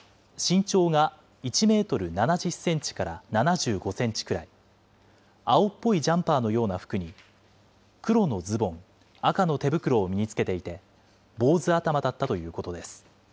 警視庁の調べによりますと、男は身長が１メートル７０センチから７５センチくらい、青っぽいジャンパーのような服に、黒のズボン、赤の手袋を身に着けていて、坊主頭だったということです。